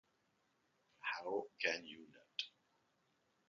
How can you not?